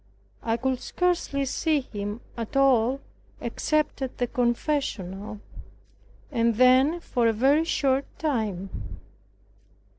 I could scarcely see him at all except at the confessional, and then for a very short time.